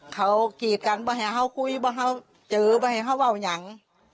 เขากีดกันไม่เห็นเขาคุยไม่เห็นเขาเจอไม่เห็นเขาว่าอย่าง